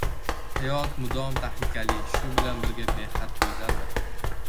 • Hayot mudom tahlikali, shu bilan birga, behad go‘zaldir.